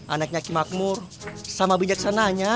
anaknya kimakmur sama binyaksananya